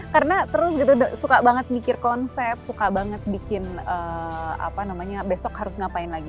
karena terus suka banget mikir konsep suka banget bikin besok harus ngapain lagi